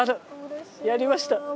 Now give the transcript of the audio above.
やりました！